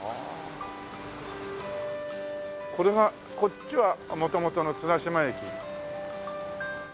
これがこっちは元々の綱島駅。